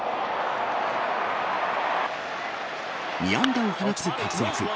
２安打を放つ活躍。